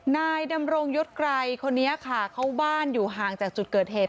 นายดำรงยศไกรคนนี้ค่ะเขาบ้านอยู่ห่างจากจุดเกิดเหตุ